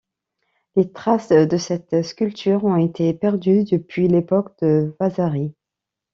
Les traces de cette sculpture ont été perdues depuis l'époque de Vasari.